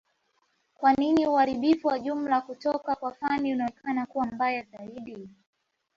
kwa nini uharibifu wa jumla kutoka kwa Fani unaonekana kuwa mbaya zaidi